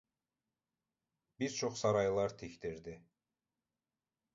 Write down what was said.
Bir çox saraylar tikdirdi.